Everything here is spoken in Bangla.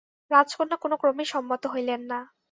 রাজকন্যা কোন ক্রমেই সম্মত হইলেন না।